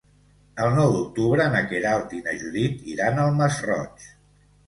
El nou d'octubre na Queralt i na Judit iran al Masroig.